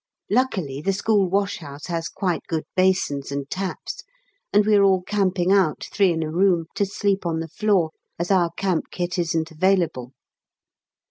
Luckily the school washhouse has quite good basins and taps, and we are all camping out, three in a room, to sleep on the floor, as our camp kit isn't available.